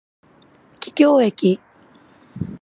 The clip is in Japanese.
桔梗駅